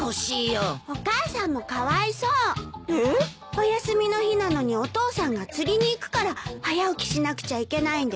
お休みの日なのにお父さんが釣りに行くから早起きしなくちゃいけないんでしょ？